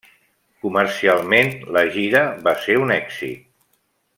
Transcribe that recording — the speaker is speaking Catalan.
Comercialment, la gira va ser un èxit.